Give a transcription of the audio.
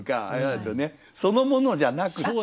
そのものじゃなくて。